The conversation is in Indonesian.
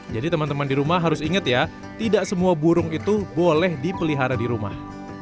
jadi teman teman di rumah harus ingat ya tidak semua burung itu boleh dipelihara di rumah